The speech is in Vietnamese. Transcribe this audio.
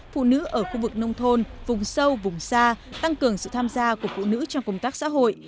phụ nữ ở khu vực nông thôn vùng sâu vùng xa tăng cường sự tham gia của phụ nữ trong công tác xã hội